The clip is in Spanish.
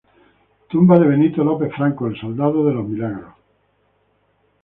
Tumba de Benito López Franco, el Soldado de los Milagros